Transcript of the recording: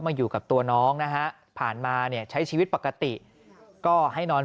มาอยู่กับตัวน้องนะฮะผ่านมาเนี่ยใช้ชีวิตปกติก็ให้นอน